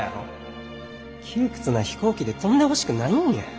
窮屈な飛行機で飛んでほしくないんや。